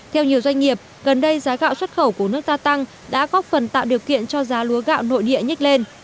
theo nhiều doanh nghiệp gần đây giá gạo xuất khẩu của nước ta tăng đã góp phần tạo điều kiện cho giá lúa gạo nội địa nhích lên